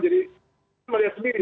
jadi kita melihat sendiri